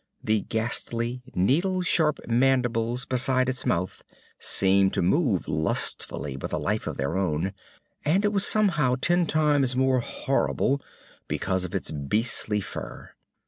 The ghastly, needle sharp mandibles beside its mouth seemed to move lustfully with a life of their own. And it was somehow ten times more horrible because of its beastly fur.